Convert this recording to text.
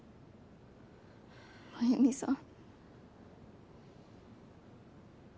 繭美さん。